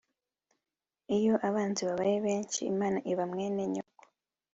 Iyo abanzi babaye benshi Imana iba mwene nyoko.